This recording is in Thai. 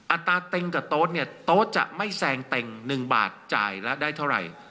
ตาเต็งกับโต๊ะเนี่ยโต๊ะจะไม่แซงเต็ง๑บาทจ่ายแล้วได้เท่าไหร่